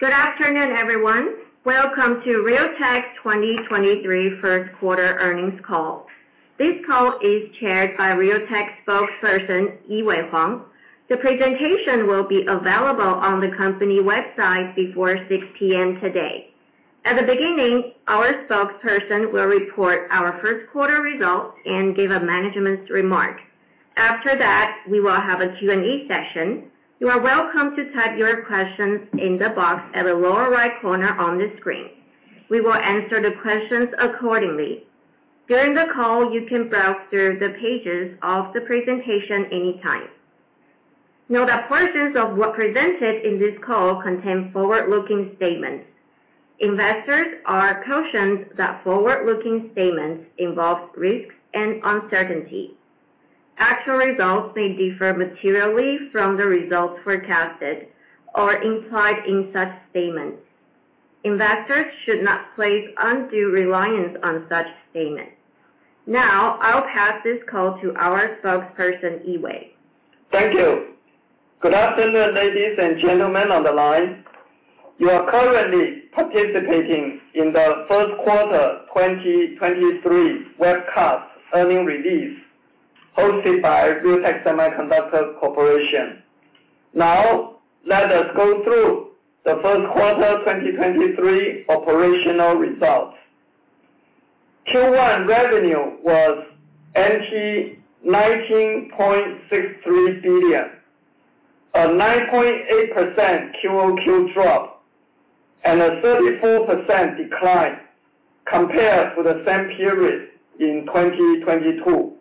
Good afternoon, everyone. Welcome to Realtek's 2023 first quarter earnings call. This call is chaired by Realtek Spokesperson, Yee-Wei Huang. The presentation will be available on the company website before 6:00 P.M. today. At the beginning, our spokesperson will report our first quarter results and give a management's remark. After that, we will have a Q&A session. You are welcome to type your questions in the box at the lower right corner on the screen. We will answer the questions accordingly. During the call, you can browse through the pages of the presentation anytime. Note that portions of what's presented in this call contain forward-looking statements. Investors are cautioned that forward-looking statements involve risks and uncertainty. Actual results may differ materially from the results forecasted or implied in such statements. Investors should not place undue reliance on such statements. I'll pass this call to our spokesperson, Yee-Wei. Thank you. Good afternoon, ladies and gentlemen, on the line. You are currently participating in the first quarter 2023 webcast earning release hosted by Realtek Semiconductor Corporation. Now, let us go through the first quarter 2023 operational results. Q1 revenue was TWD 19.63 billion, a 9.8% QoQ drop, and a 34% decline compared to the same period in 2022.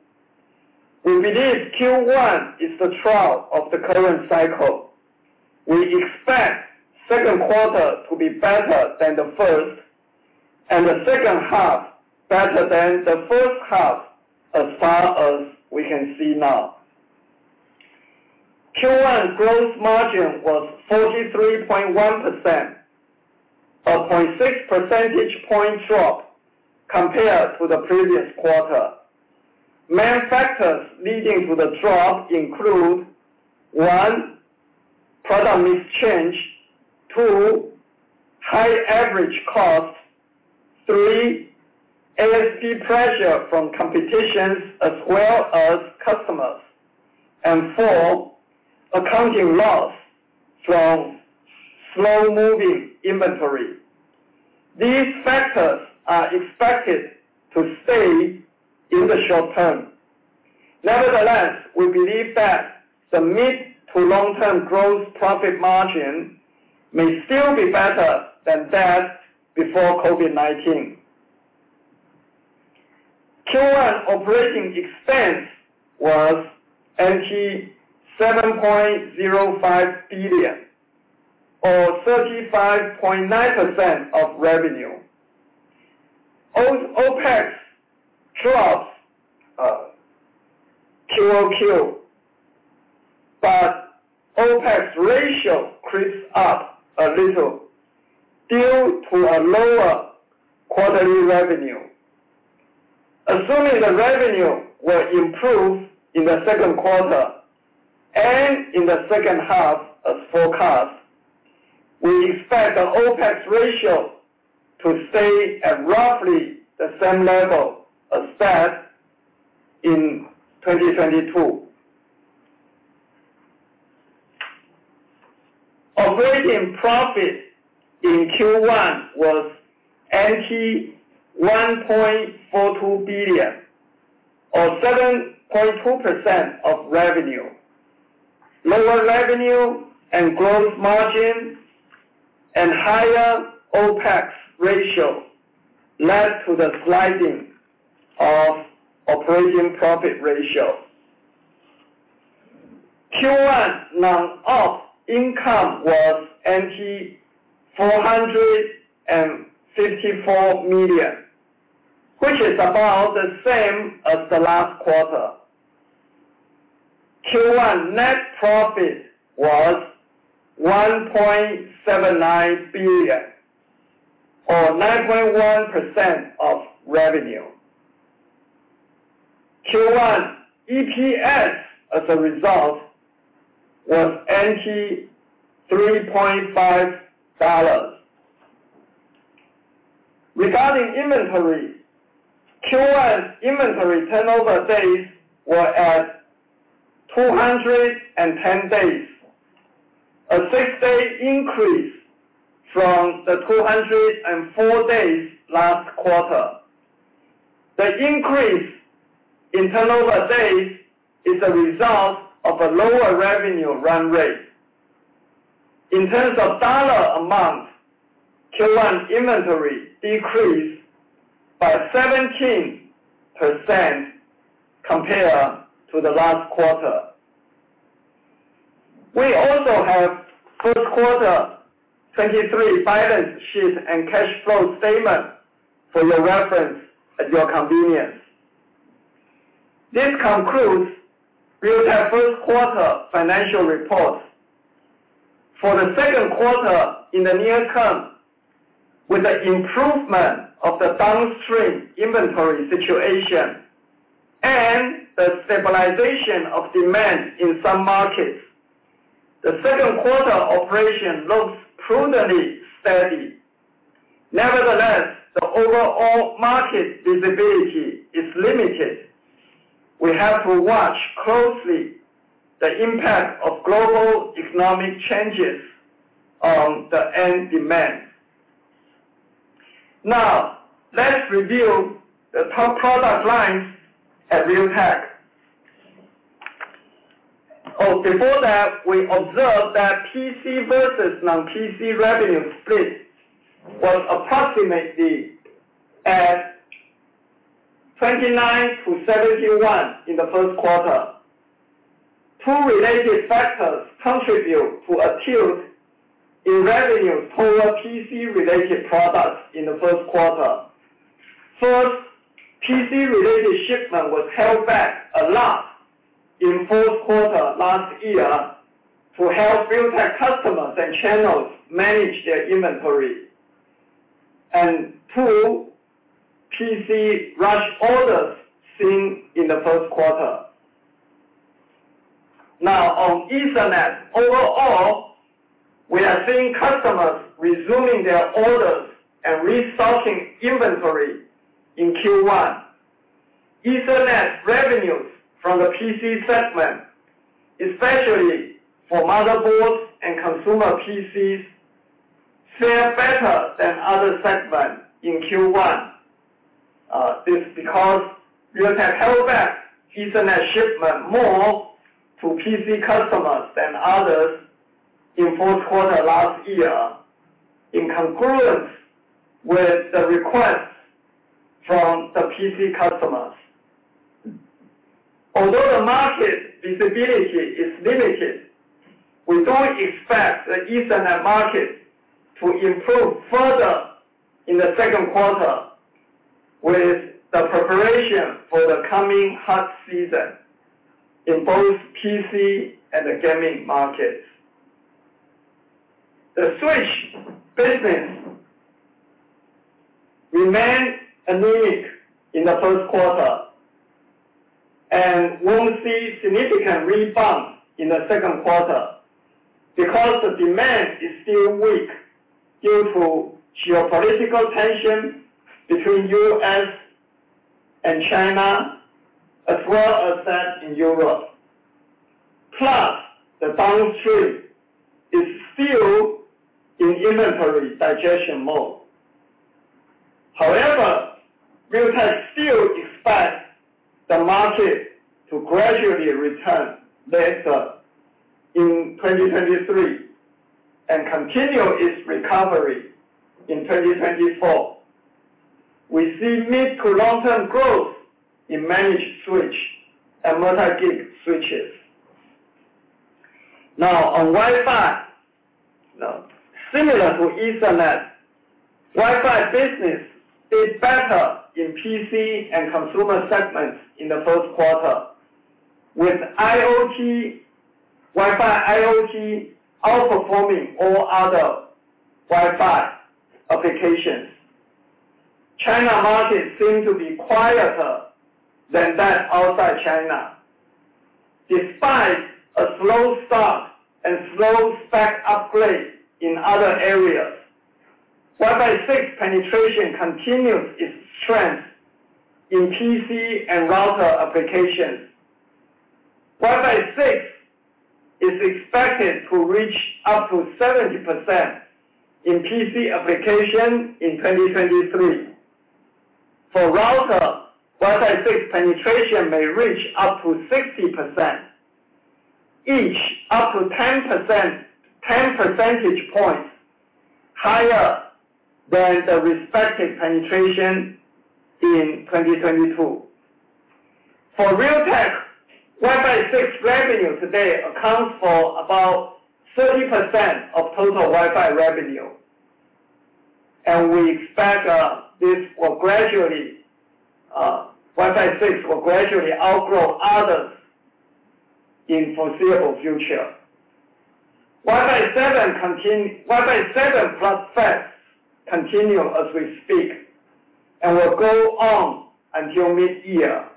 We believe Q1 is the trough of the current cycle. We expect second quarter to be better than the first, and the second half better than the first half, as far as we can see now. Q1 gross margin was 43.1%, a 0.6 percentage point drop compared to the previous quarter. Main factors leading to the drop include, one, product mix change. Two, high average cost. Three, ASP pressure from competitions as well as customers. Four, accounting loss from slow-moving inventory. These factors are expected to stay in the short term. Nevertheless, we believe that the mid to long-term gross profit margin may still be better than that before COVID-19. Q1 operating expense was NTD 7.05 billion or 35.9% of revenue. OpEx drops QoQ, but OpEx ratio creeps up a little due to a lower quarterly revenue. Assuming the revenue will improve in the second quarter and in the second half as forecast, we expect the OpEx ratio to stay at roughly the same level as that in 2022. Operating profit in Q1 was NTD 1.42 billion or 7.2% of revenue. Lower revenue and gross margin and higher OpEx ratio led to the sliding of operating profit ratio. Q1 non-op income was 454 million, which is about the same as the last quarter. Q1 net profit was 1.79 billion or 9.1% of revenue. Q1 EPS, as a result, was 3.5 dollars. Regarding inventory, Q1 inventory turnover days were at 210 days, a six-day increase from the 204 days last quarter. The increase in turnover days is a result of a lower revenue run rate. In terms of dollar amount, Q1 inventory decreased by 17% compared to the last quarter. We also have first quarter 2023 balance sheet and cash flow statement for your reference at your convenience. This concludes Realtek first quarter financial report. For the second quarter in the near term, with the improvement of the downstream inventory situation. The stabilization of demand in some markets. The second quarter operation looks prudently steady. The overall market visibility is limited. We have to watch closely the impact of global economic changes on the end demand. Let's review the top product lines at Realtek. Before that, we observed that PC versus non-PC revenue split was approximately at 29 to 71 in the first quarter. Two related factors contribute to a tilt in revenue toward PC related products in the first quarter. First, PC related shipment was held back a lot in fourth quarter last year to help Realtek customers and channels manage their inventory. Two, PC rush orders seen in the first quarter. On Ethernet, overall, we are seeing customers resuming their orders and restocking inventory in Q1. Ethernet revenues from the PC segment, especially for motherboards and consumer PCs, fare better than other segments in Q1. This is because we have held back Ethernet shipment more to PC customers than others in fourth quarter last year in concurrence with the requests from the PC customers. Although the market visibility is limited, we don't expect the Ethernet market to improve further in the second quarter with the preparation for the coming hot season in both PC and the Gaming markets. The switch business remain anemic in the first quarter and won't see significant rebound in the second quarter because the demand is still weak due to geopolitical tension between U.S. and China, as well as that in Europe. Plus, the downstream is still in inventory digestion mode. However, Realtek still expects the market to gradually return later in 2023 and continue its recovery in 2024. We see mid to long-term growth in managed switch and multi-gig switches. Now, on Wi-Fi. Now, similar to Ethernet, Wi-Fi business did better in PC and Consumer segments in the first quarter. With IoT, Wi-Fi IoT outperforming all other Wi-Fi applications. China market seem to be quieter than that outside China. Despite a slow start and slow spec upgrade in other areas, Wi-Fi 6 penetration continues its strength in PC and router applications. Wi-Fi 6 is expected to reach up to 70% in PC application in 2023. For router, Wi-Fi 6 penetration may reach up to 60%, each up to 10 percentage points higher than the respective penetration in 2022. For Realtek, Wi-Fi 6 revenue today accounts for about 30% of total Wi-Fi revenue. We expect this will gradually, Wi-Fi 6 will gradually outgrow others in foreseeable future. Wi-Fi 7 plus FaST continue as we speak, and will go on until mid-year.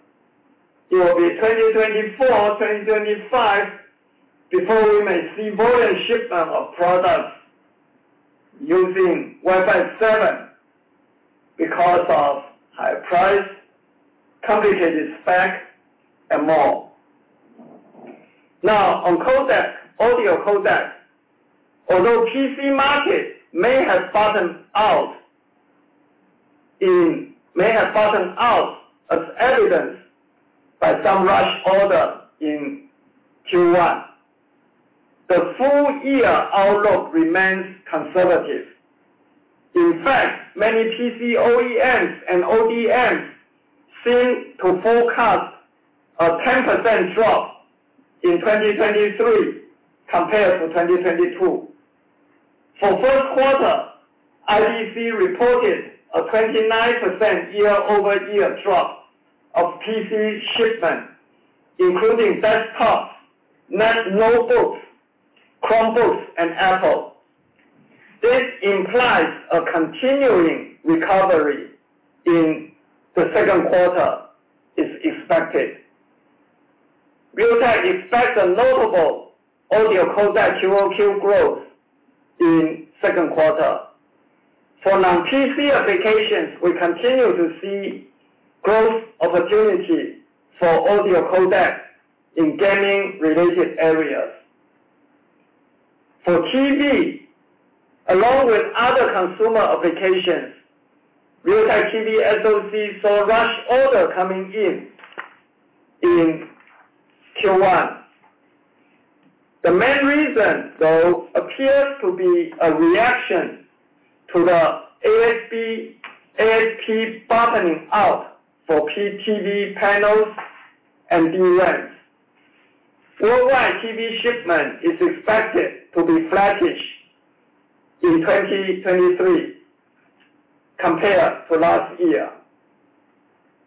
It will be 2024, 2025, before we may see volume shipment of products using Wi-Fi 7 because of high price, complicated spec, and more. Now, on codec, audio codec. Although PC market may have bottomed out as evidenced by some rush order in Q1, the full year outlook remains conservative. In fact, many PC OEMs and ODMs seem to forecast a 10% drop in 2023 compared to 2022. For first quarter, IDC reported a 29% year-over-year drop of PC shipment, including desktops, notebooks, Chromebooks, and Apple. This implies a continuing recovery in the second quarter is expected. Realtek expects a notable audio codec QoQ growth in second quarter. For non-PC applications, we continue to see growth opportunity for audio codecs in gaming-related areas. For TV, along with other consumer applications, Realtek TV SoC saw rush order coming in in Q1. The main reason, though, appears to be a reaction to the ASP bottoming out for PTV panels and DRAMs. Full wide TV shipment is expected to be flattish in 2023 compared to last year.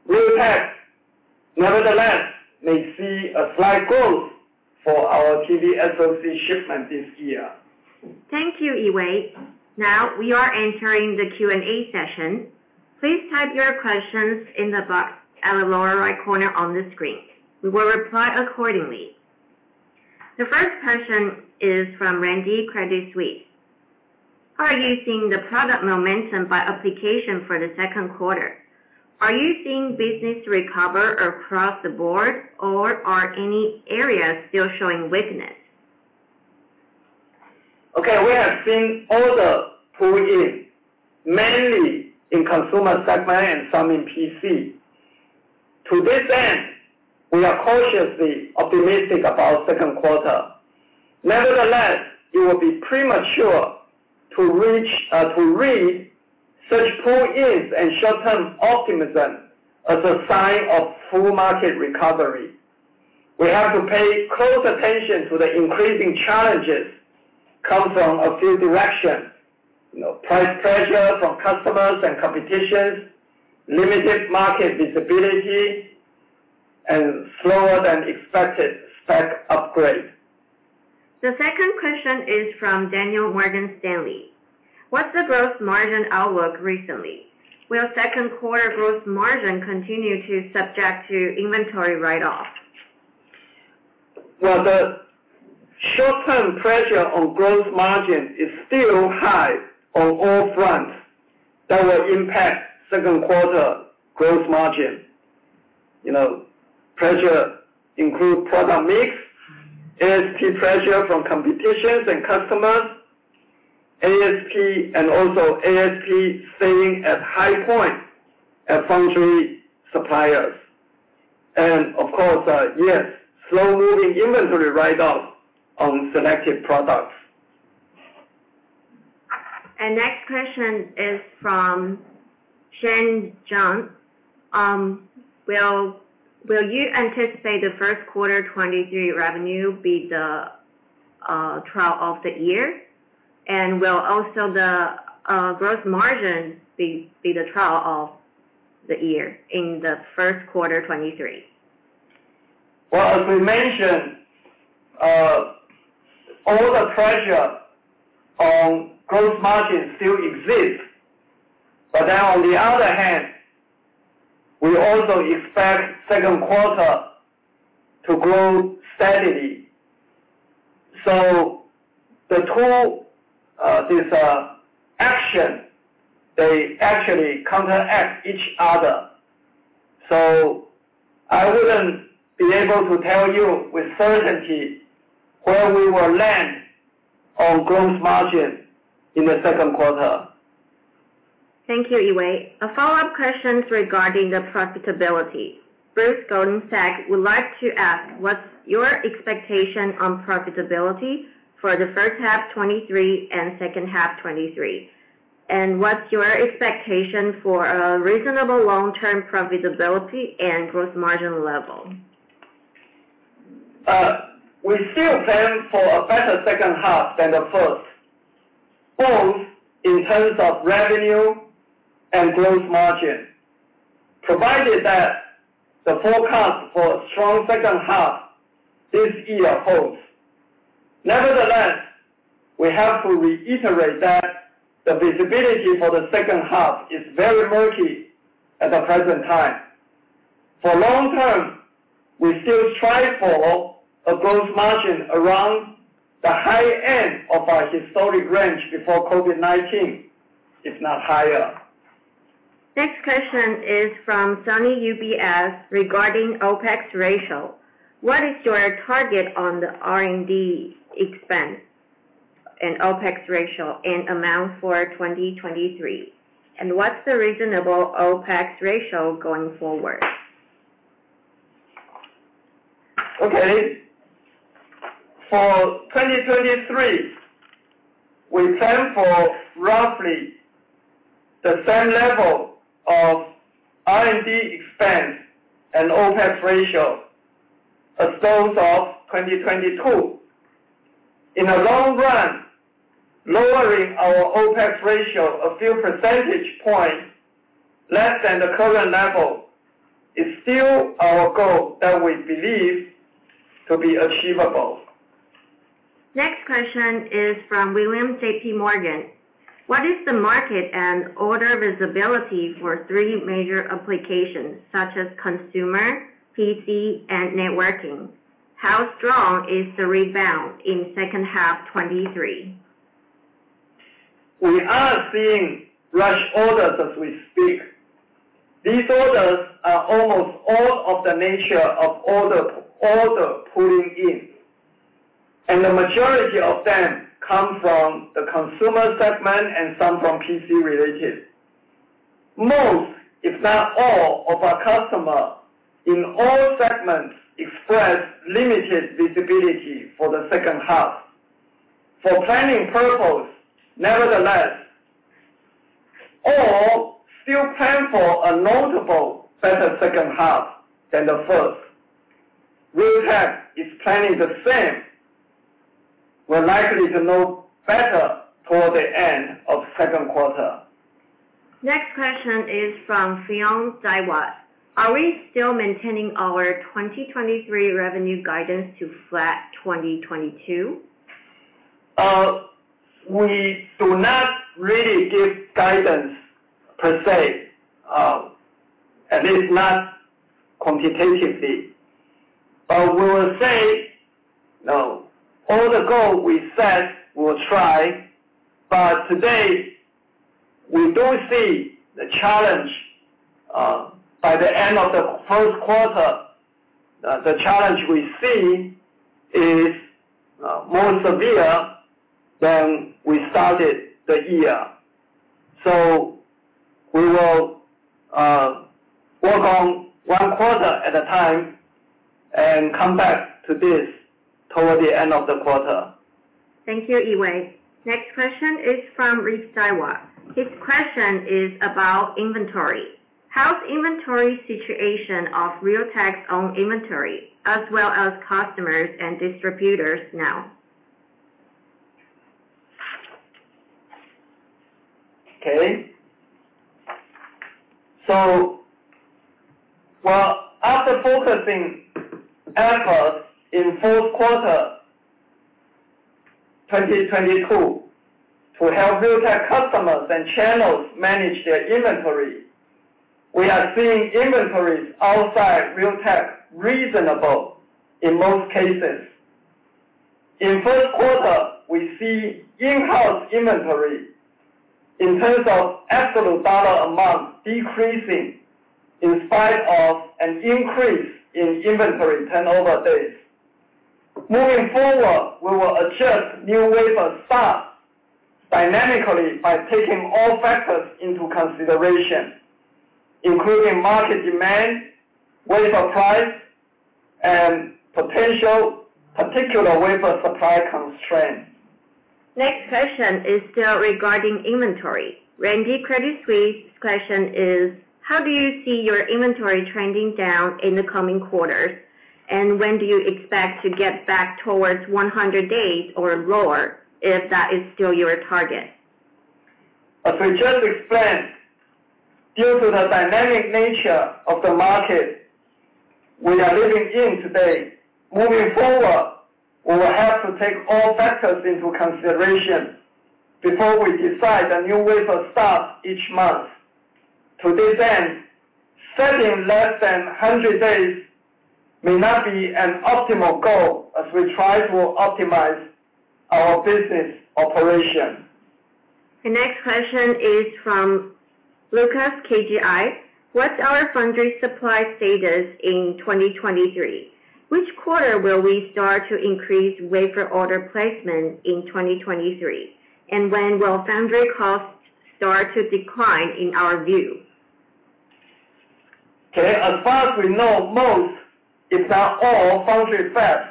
Realtek, nevertheless, may see a slight growth for our TV SoC shipment this year. Thank you, Yee-Wei. We are entering the Q&A session. Please type your questions in the box at the lower right corner on the screen. We will reply accordingly. The first question is from Randy, Credit Suisse. How are you seeing the product momentum by application for the second quarter? Are you seeing business recover across the board or are any areas still showing weakness? Okay. We have seen orders pull in, mainly in Consumer segment and some in PC. To this end, we are cautiously optimistic about second quarter. Nevertheless, it will be premature to read such pull-ins and short-term optimism as a sign of full market recovery. We have to pay close attention to the increasing challenges come from a few directions. You know, price pressure from customers and competitions, limited market visibility and slower than expected spec upgrade. The second question is from Daniel, Morgan Stanley. What's the gross margin outlook recently? Will second quarter gross margin continue to subject to inventory write-off? The short-term pressure on gross margin is still high on all fronts. That will impact second quarter gross margin. You know, pressure include product mix, ASP pressure from competitions and customers, ASP, and also ASP staying at high point at foundry suppliers. Of course, yes, slow-moving inventory write-off on selected products. Next question is from Jun-Jie Chang. Will you anticipate the first quarter 2023 revenue be the trough of the year? Will also the growth margin be the trough of the year in the first quarter 2023? Well, as we mentioned, all the pressure on gross margin still exists. On the other hand, we also expect second quarter to grow steadily. The two, this action, they actually counteract each other. I wouldn't be able to tell you with certainty where we will land on gross margin in the second quarter. Thank you, Yee-Wei. A follow-up question regarding the profitability. Bruce, Goldman Sachs, would like to ask, what's your expectation on profitability for the first half 2023 and second half 2023? What's your expectation for a reasonable long-term profitability and growth margin level? We still plan for a better second half than the first, both in terms of revenue and growth margin, provided that the forecast for a strong second half this year holds. Nevertheless, we have to reiterate that the visibility for the second half is very murky at the present time. For long term, we still strive for a growth margin around the high end of our historic range before COVID-19, if not higher. Next question is from Sunny, UBS, regarding OpEx ratio. What is your target on the R&D expense and OpEx ratio in amount for 2023? What's the reasonable OpEx ratio going forward? Okay. For 2023, we plan for roughly the same level of R&D expense and OpEx ratio as those of 2022. In the long run, lowering our OpEx ratio a few percentage points less than the current level is still our goal that we believe to be achievable. Next question is from William, JPMorgan. What is the market and order visibility for three major applications such as Consumer, PC, and Networking? How strong is the rebound in second half 2023? We are seeing rush orders as we speak. These orders are almost all of the nature of order pulling in. The majority of them come from the Consumer segment and some from PC-related. Most, if not all, of our customer in all segments express limited visibility for the second half. For planning purpose, nevertheless, all still plan for a notable better second half than the first. Realtek is planning the same. We're likely to know better toward the end of second quarter. Next question is from Fion, Daiwa. Are we still maintaining our 2023 revenue guidance to flat 2022? We do not really give guidance per se, at least not quantitatively. We will say, you know, all the goal we set, we'll try. Today, we do see the challenge, by the end of the first quarter, the challenge we see is more severe than we started the year. We will, work on one quarter at a time and come back to this toward the end of the quarter. Thank you, Yee-Wei. Next question is from Reese, Daiwa. His question is about inventory. How's inventory situation of Realtek's own inventory, as well as customers and distributors now? Okay. After focusing efforts in fourth quarter 2022 to help Realtek customers and channels manage their inventory, we are seeing inventories outside Realtek reasonable in most cases. In first quarter, we see in-house inventory in terms of absolute dollar amount decreasing in spite of an increase in inventory turnover days. Moving forward, we will adjust new wafer starts dynamically by taking all factors into consideration, including market demand, wafer price, and potential particular wafer supply constraints. Next question is still regarding inventory. Randy, Credit Suisse. Question is, how do you see your inventory trending down in the coming quarters? When do you expect to get back towards 100 days or lower, if that is still your target? As we just explained, due to the dynamic nature of the market we are living in today, moving forward, we will have to take all factors into consideration before we decide the new wafer starts each month. To this end, setting less than 100 days may not be an optimal goal as we try to optimize our business operation. The next question is from Lucas, KGI. What's our foundry supply status in 2023? Which quarter will we start to increase wafer order placement in 2023? When will foundry costs start to decline in our view? Okay. As far as we know, most, if not all, foundry fabs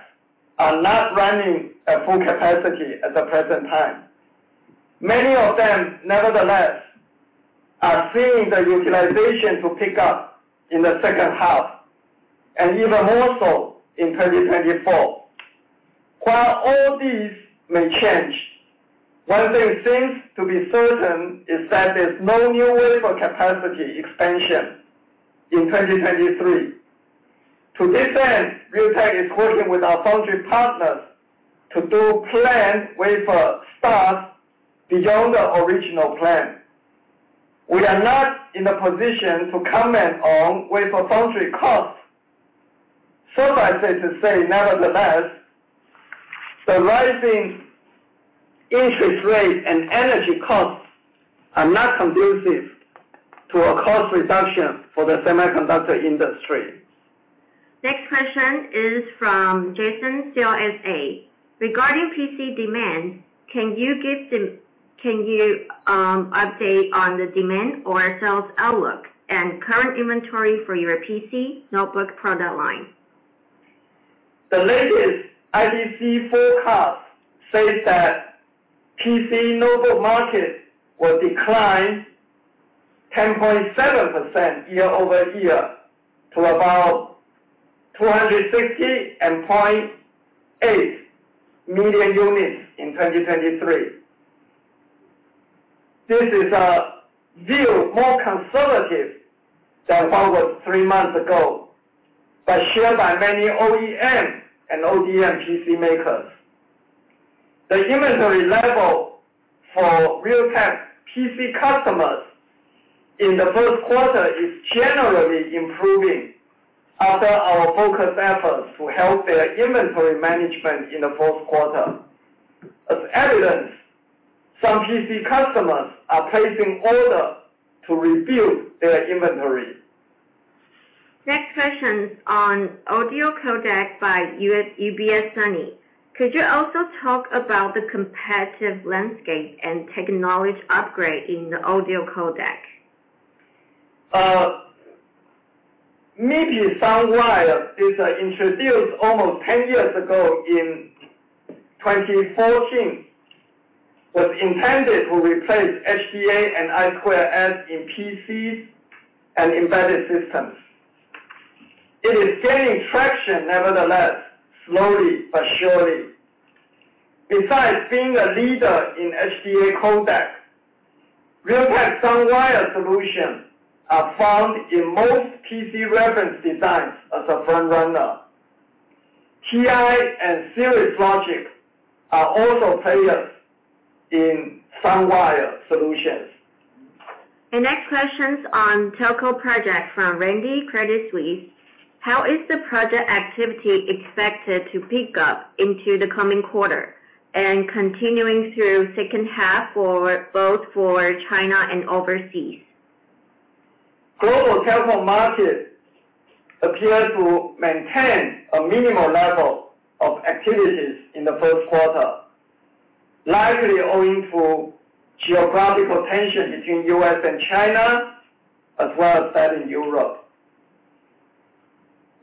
are not running at full capacity at the present time. Many of them, nevertheless, are seeing the utilization to pick up in the second half, and even more so in 2024. While all these may change, one thing seems to be certain is that there's no new wafer capacity expansion in 2023. To this end, Realtek is quoting with our foundry partners to do planned wafer starts beyond the original plan. We are not in a position to comment on wafer foundry costs. Suffice it to say, nevertheless, the rising interest rate and energy costs are not conducive to a cost reduction for the Semiconductor industry. Next question is from Jason, CLSA. Regarding PC demand, can you update on the demand or sales outlook and current inventory for your PC notebook product line? The latest IDC forecast says that PC notebook market will decline 10.7% year-over-year to about 260.8 million units in 2023. This is a view more conservative than one with three months ago, shared by many OEM and ODM PC makers. The inventory level for Realtek PC customers in the first quarter is generally improving after our focused efforts to help their inventory management in the fourth quarter. As evidence, some PC customers are placing order to rebuild their inventory. Next question is on audio codec by UBS Sunny. Could you also talk about the competitive landscape and technology upgrade in the audio codec? Maybe SoundWire is introduced almost 10 years ago in 2014, was intended to replace HDA and I2S in PCs and embedded systems. It is gaining traction nevertheless, slowly but surely. Besides being a leader in HDA codec, Realtek SoundWire solution are found in most PC reference designs as a frontrunner. TI and Cirrus Logic are also players in SoundWire solutions. The next question's on telco project from Randy, Credit Suisse. How is the project activity expected to pick up into the coming quarter and continuing through second half both for China and overseas? Global telco market appears to maintain a minimal level of activities in the first quarter, largely owing to geographical tension between U.S. and China, as well as that in Europe.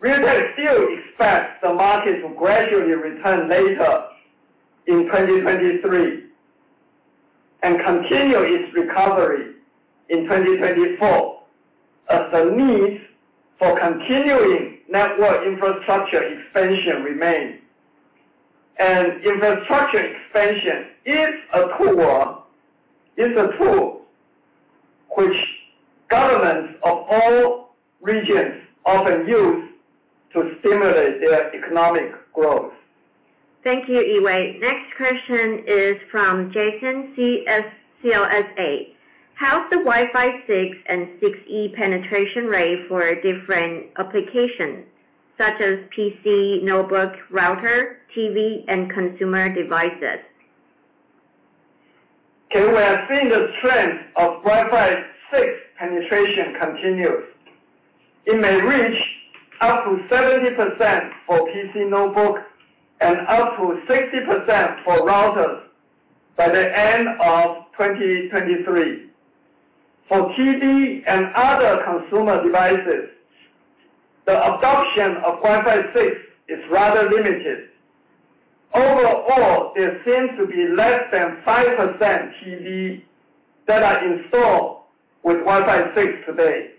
Realtek still expects the market to gradually return later in 2023, continue its recovery in 2024, as the need for continuing network infrastructure expansion remains. Infrastructure expansion is a tool which governments of all regions often use to stimulate their economic growth. Thank you, Yee-Wei. Next question is from Jason, CLSA. How's the Wi-Fi 6 and 6E penetration rate for different applications, such as PC, notebook, router, TV, and consumer devices? Okay. We are seeing the strength of Wi-Fi 6 penetration continues. It may reach up to 70% for PC notebook and up to 60% for routers by the end of 2023. For TV and other consumer devices, the adoption of Wi-Fi 6 is rather limited. Overall, there seem to be less than 5% TV that are installed with Wi-Fi 6 today.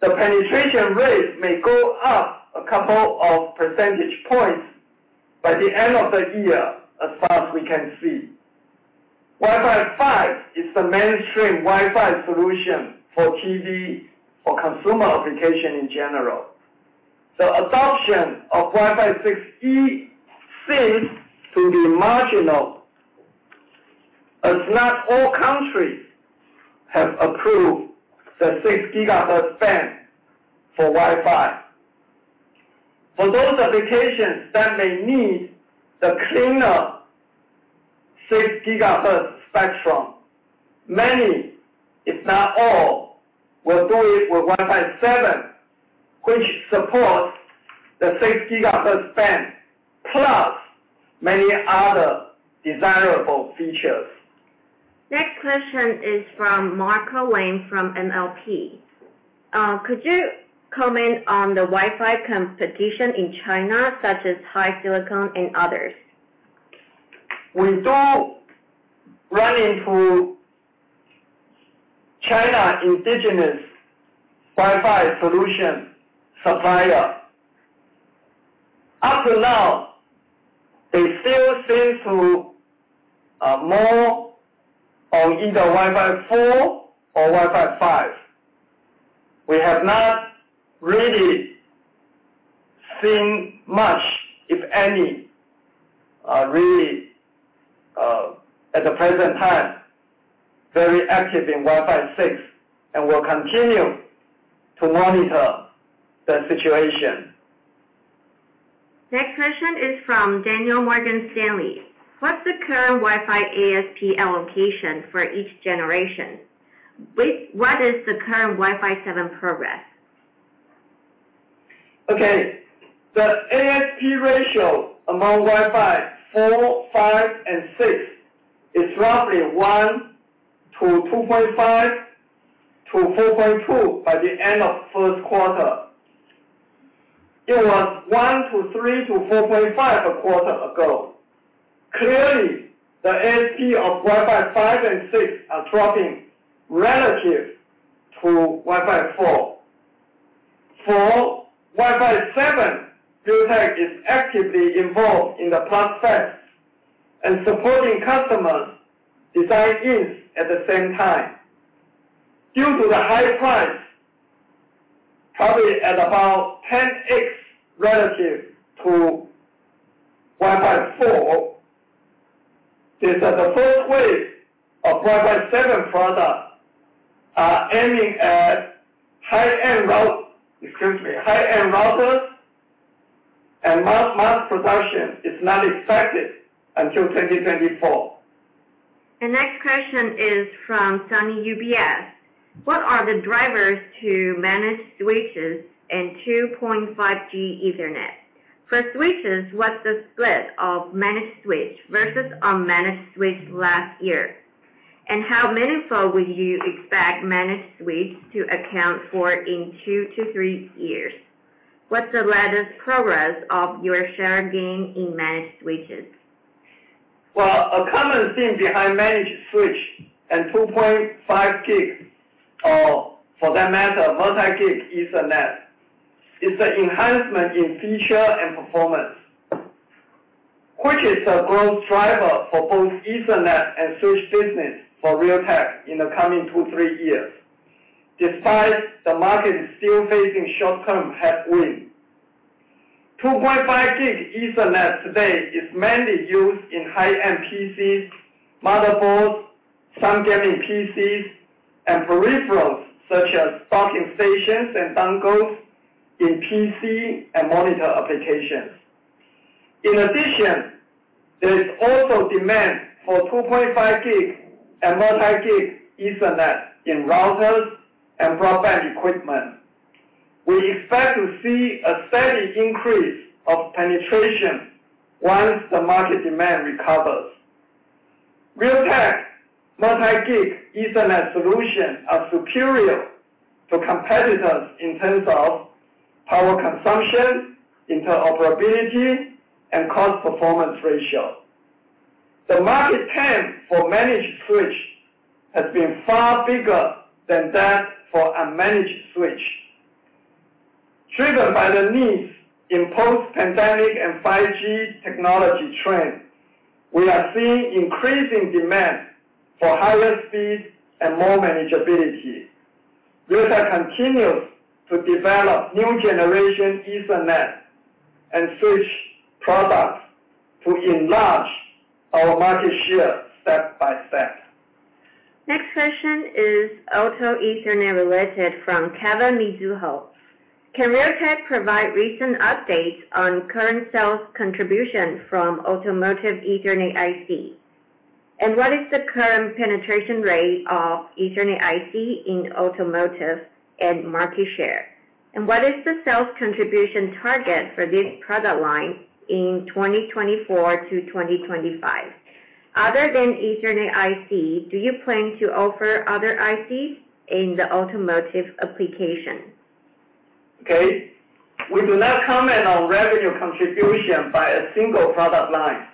The penetration rate may go up a couple of percentage points by the end of the year as far as we can see. Wi-Fi 5 is the mainstream Wi-Fi solution for TV, for consumer application in general. The adoption of Wi-Fi 6E seems to be marginal, as not all countries have approved the 6 GHz band for Wi-Fi. For those applications that may need the cleaner 6 GHz spectrum, many, if not all, will do it with Wi-Fi 7, which supports the 6 GHz band, plus many other desirable features. Next question is from Marco Lam from MLP. Could you comment on the Wi-Fi competition in China, such as HiSilicon and others? We do run into China indigenous Wi-Fi solution supplier. Up to now, they still seem to more on either Wi-Fi 4 or Wi-Fi 5. We have not really seen much, if any, really, at the present time, very active in Wi-Fi 6. We'll continue to monitor the situation. Next question is from Daniel, Morgan Stanley. What's the current Wi-Fi ASP allocation for each generation? What is the current Wi-Fi 7 progress? Okay. The ASP ratio among Wi-Fi 4, 5, and 6 is roughly 1 to 2.5 to 4.2 by the end of first quarter. It was 1 to 3 to 4.5 a quarter ago. Clearly, the ASP of Wi-Fi 5 and 6 are dropping relative to Wi-Fi 4. Realtek is actively involved in the process and supporting customers design-ins at the same time. Due to the high price, probably at about 10x relative to 1.4, it is that the first wave of 1.7 products are aiming at high-end routers and mass production is not expected until 2024. The next question is from Sunny UBS. What are the drivers to managed switches and 2.5G Ethernet? For switches, what's the split of managed switch versus unmanaged switch last year? How many fold would you expect managed switch to account for in two to three years? What's the latest progress of your share gain in managed switches? A common theme behind managed switch and 2.5G, or for that matter, Multi-Gig Ethernet, is the enhancement in feature and performance, which is a growth driver for both Ethernet and switch business for Realtek in the coming two, three years, despite the market is still facing short-term headwind. 2.5G Ethernet today is mainly used in high-end PCs, motherboards, some gaming PCs and peripherals, such as docking stations and dongles in PC and monitor applications. In addition, there is also demand for 2.5G and Multi-Gig Ethernet in routers and broadband equipment. We expect to see a steady increase of penetration once the market demand recovers. Realtek Multi-Gig Ethernet solution are superior to competitors in terms of power consumption, interoperability, and cost performance ratio. The market TAM for managed switch has been far bigger than that for unmanaged switch. Driven by the needs in post-pandemic and 5G technology trend, we are seeing increasing demand for higher speed and more manageability. Realtek continues to develop new generation Ethernet and switch products to enlarge our market share step by step. Next question is Automotive Ethernet related from Kevin, Mizuho. Can Realtek provide recent updates on current sales contribution from Automotive Ethernet IC? What is the current penetration rate of Ethernet IC in automotive and market share? What is the sales contribution target for this product line in 2024-2025? Other than Ethernet IC, do you plan to offer other ICs in the automotive application? Okay. We do not comment on revenue contribution by a single product line,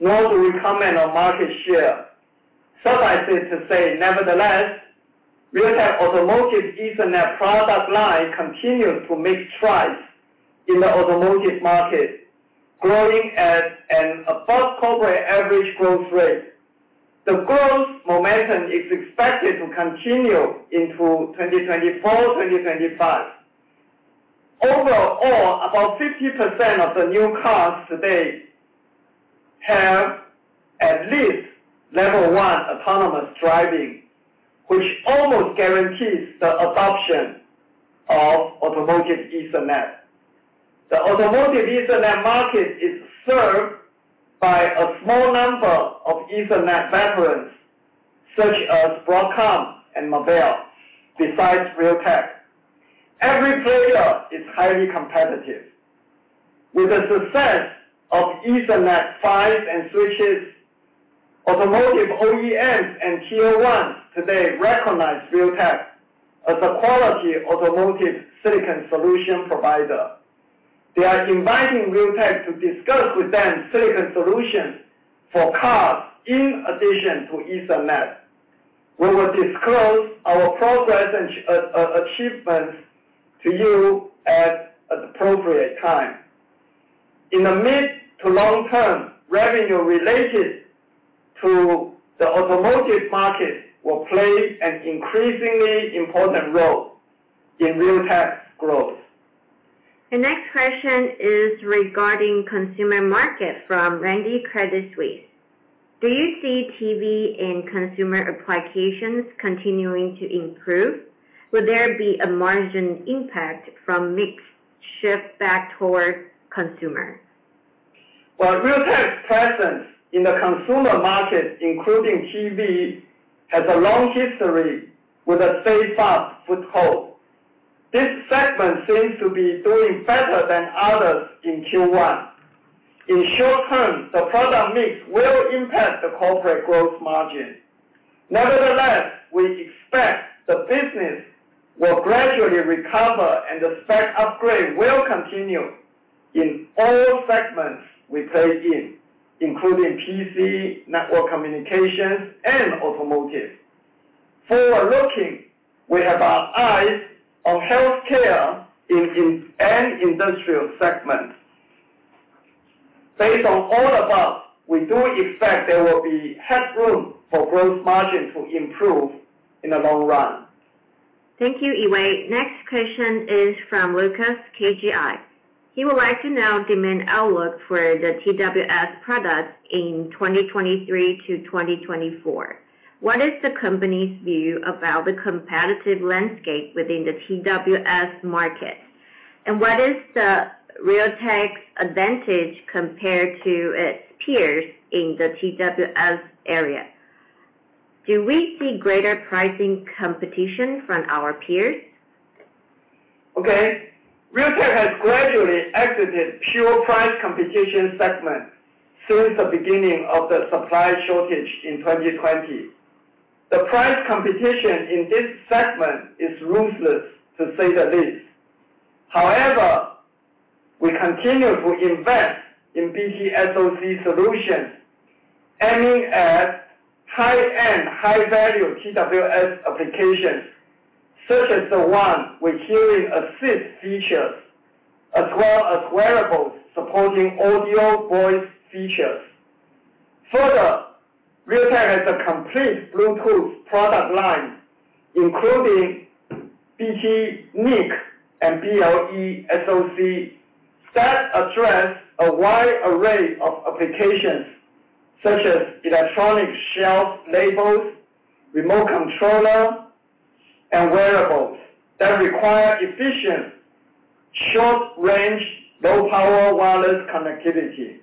nor do we comment on market share. Suffice it to say, nevertheless, Realtek Automotive Ethernet product line continues to make strides in the Automotive market, growing at an above corporate average growth rate. The growth momentum is expected to continue into 2024, 2025. Overall, about 50% of the new cars today have at least level one autonomous driving, which almost guarantees the adoption of Automotive Ethernet. The Automotive Ethernet market is served by a small number of Ethernet veterans such as Broadcom and Marvell, besides Realtek. Every player is highly competitive. With the success of Ethernet PHYs and switches, automotive OEMs and Tier ones today recognize Realtek as a quality automotive silicon solution provider. They are inviting Realtek to discuss with them silicon solutions for cars in addition to Ethernet. We will disclose our progress and achievements to you at appropriate time. In the mid to long term, revenue related to the Automotive market will play an increasingly important role in Realtek's growth. The next question is regarding Consumer market from Randy Credit Suisse. Do you see TV and consumer applications continuing to improve? Will there be a margin impact from mix shift back towards consumer? Well, Realtek's presence in the Consumer market, including TV, has a long history with a steadfast foothold. This segment seems to be doing better than others in Q1. In short term, the product mix will impact the corporate growth margin. Nevertheless, we expect the business will gradually recover and the spec upgrade will continue in all-We play in, including PC, network communications, and automotive. Forward-looking, we have our eyes on healthcare and Industrial segment. Based on all above, we do expect there will be headroom for growth margin to improve in the long run. Thank you, Yee-Wei. Next question is from Lucas, KGI. He would like to know demand outlook for the TWS products in 2023-2024. What is the company's view about the competitive landscape within the TWS market? What is Realtek's advantage compared to its peers in the TWS area? Do we see greater pricing competition from our peers? Realtek has gradually exited pure price competition segment since the beginning of the supply shortage in 2020. The price competition in this segment is ruthless, to say the least. We continue to invest in BT SoC solutions, aiming at high-end, high-value TWS applications, such as the one with hearing assist features, as well as wearables supporting audio voice features. Realtek has a complete Bluetooth product line, including BT NIC and BLE SoC that address a wide array of applications, such as Electronic Shelf Labels, remote controller, and wearables that require efficient short-range, low-power wireless connectivity.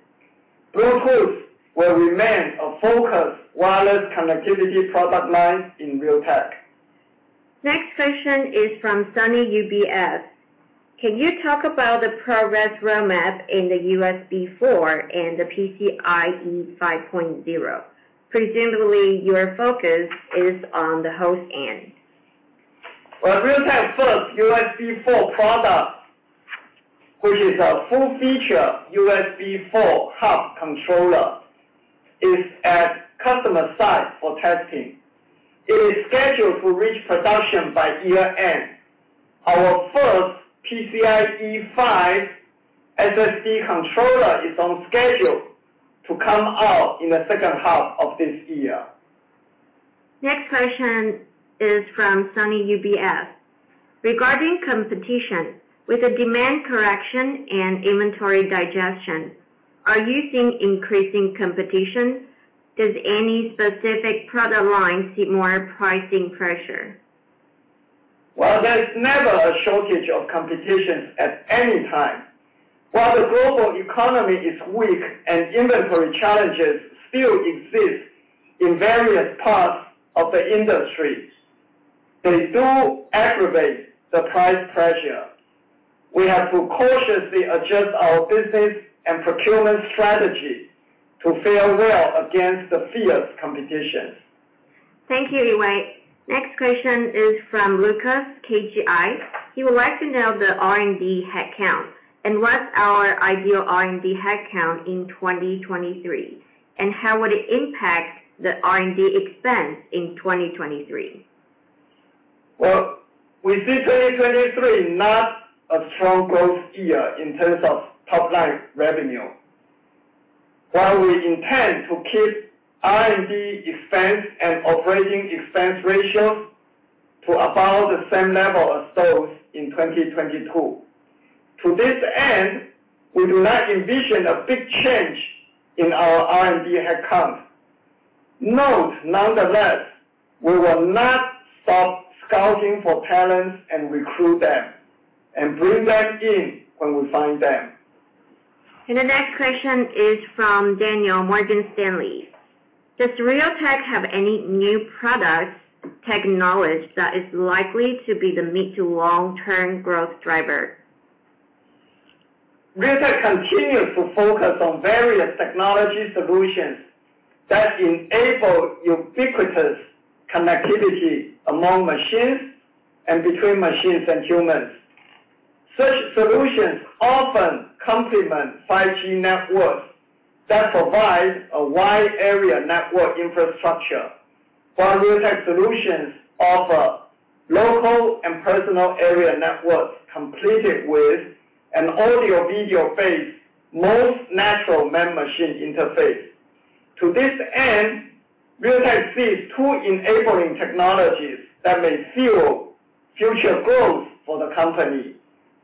Bluetooth will remain a focus wireless connectivity product line in Realtek. Next question is from Sunny, UBS. Can you talk about the progress roadmap in the USB4 and the PCIe 5.0? Presumably, your focus is on the host end. Well, Realtek first USB4 product, which is a full feature USB4 hub controller, is at customer site for testing. It is scheduled to reach production by year end. Our first PCIe 5.0 SSD controller is on schedule to come out in the second half of this year. Next question is from Sunny, UBS. Regarding competition, with the demand correction and inventory digestion, are you seeing increasing competition? Does any specific product line see more pricing pressure? Well, there's never a shortage of competitions at any time. While the global economy is weak and inventory challenges still exist in various parts of the industries, they do aggravate the price pressure. We have to cautiously adjust our business and procurement strategy to fare well against the fierce competition. Thank you, Yee-Wei. Next question is from Lucas, KGI. He would like to know the R&D head count, and what's our ideal R&D head count in 2023, and how would it impact the R&D expense in 2023? Well, we see 2023 not a strong growth year in terms of top line revenue. While we intend to keep R&D expense and operating expense ratios to about the same level as those in 2022. To this end, we do not envision a big change in our R&D headcount. Note, nonetheless, we will not stop scouting for talents and recruit them, and bring them in when we find them. The next question is from Daniel, Morgan Stanley. Does Realtek have any new products, technologies that is likely to be the mid to long-term growth driver? Realtek continues to focus on various technology solutions that enable ubiquitous connectivity among machines and between machines and humans. Such solutions often complement 5G networks that provide a wide area network infrastructure, while Realtek solutions offer local and personal area networks completed with an audio-video-based most natural man-machine interface. To this end, Realtek sees two enabling technologies that may fuel future growth for the company.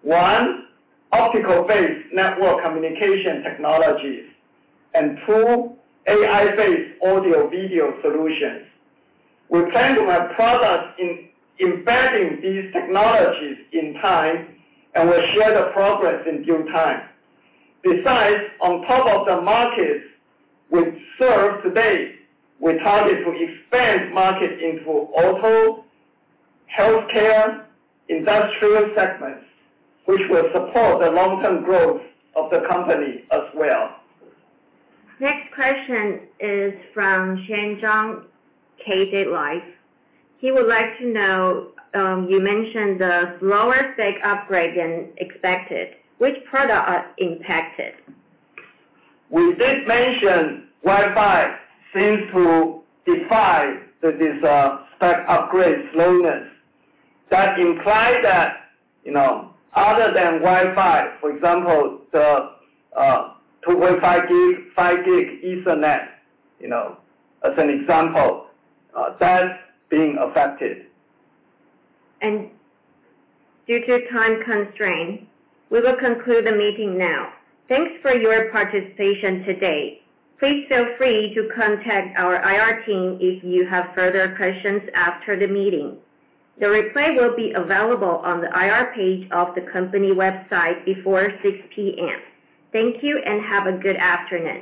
One, optical-based network communication technologies. Two, AI-based audio-video solutions. We plan to have products embedding these technologies in time, We'll share the progress in due time. BesidAs, on top of the markets we serve today, we target to expand market into Auto, Healthcare, Industrial segments, which will support the long-term growth of the company as well. Next question is from Shen Zheng, KB Life. He would like to know, you mentioned the slower spec upgrade than expected. Which product are impacted? We did mention Wi-Fi seems to defy this, spec upgrade slowness. That implies that, you know, other than Wi-Fi, for example, the 2.5 gig, 5 gig Ethernet, you know, as an example, that's being affected. Due to time constraint, we will conclude the meeting now. Thanks for your participation today. Please feel free to contact our IR team if you have further questions after the meeting. The replay will be available on the IR page of the company website before 6:00 P.M. Thank you, and have a good afternoon.